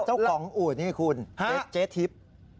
เจ้าของอู่นี่คุณเจ๊ทิพย์